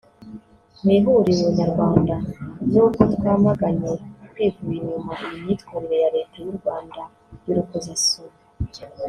Mu Ihuriro Nyarwanda nubwo twamaganye twivuye inyuma iyi myitwarire ya Leta y’ u Rwanda y’ urukozasoni